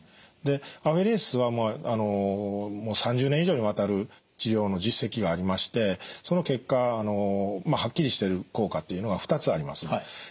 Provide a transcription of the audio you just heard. でアフェレシスはもう３０年以上にわたる治療の実績がありましてその結果はっきりしている効果っていうのは２つあります。